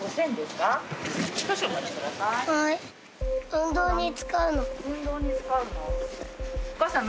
運動に使うの。